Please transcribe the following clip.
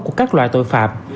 của các loại tội phạm